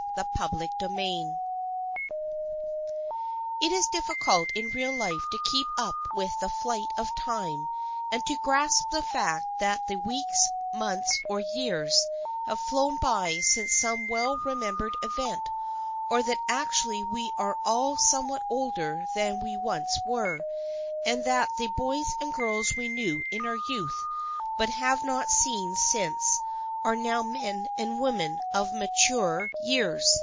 CHAPTER XXII IT is difficult in real life to keep up with the flight of time and to grasp the fact that the weeks, months or years have flown by since some well remembered event, or that actually we are all somewhat older than we once were, and that the boys and girls we knew in our youth but have not seen since are now men and women of mature years.